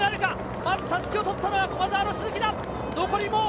まず襷を取ったのは駒澤の鈴木。